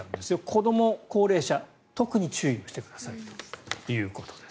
子ども、高齢者特に注意をしてくださいということです。